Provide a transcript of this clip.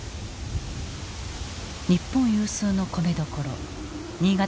日本有数の米どころ新潟県の深才村。